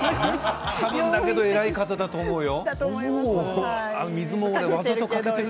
多分だけど、えらい方だと思うよ。